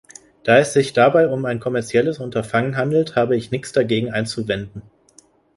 Da es sich dabei um ein kommerzielles Unterfangen handelt, habe ich nichts dagegen einzuwenden.